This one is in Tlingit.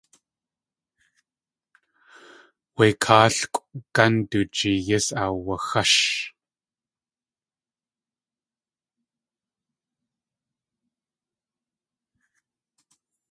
Du káalkʼw gán du jeeyís aawaxásh.